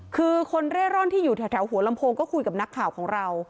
คือคนเร่ร่อนที่อยู่แถวหัวลำโพงก็คุยกับนักข่าวของเรา